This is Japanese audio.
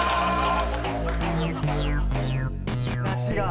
梨が。